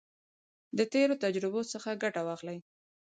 د تیرو تجربو څخه ګټه واخلئ.